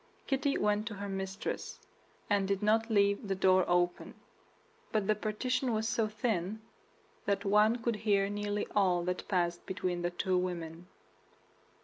Kitty went to her mistress, and did not leave the door open; but the partition was so thin that one could hear nearly all that passed between the two women.